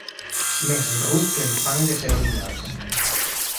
Més ruc que el fang de fer orinals.